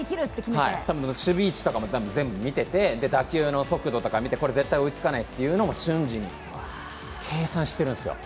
多分、守備位置とかも全部みて打球の速度とか見てこれ絶対追いつかないというのも瞬時に計算してるんですよ。